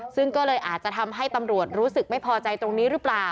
ซึ่งก็เลยอาจจะทำให้ตำรวจรู้สึกไม่พอใจตรงนี้หรือเปล่า